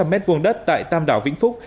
ba bốn trăm linh m hai đất tại tam đảo vĩnh phúc